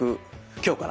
今日から！